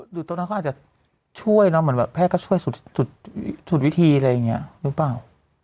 ตรงนั้นเขาอาจจะช่วยเนอะเหมือนแบบแพทย์ก็ช่วยสุดวิธีอะไรอย่างนี้หรือเปล่า